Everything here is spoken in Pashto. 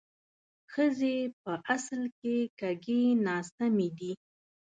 ښځې په اصل کې کږې ناسمې دي